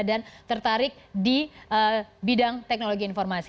dan tertarik di bidang teknologi informasi